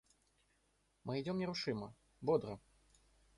Мы идем нерушимо, бодро.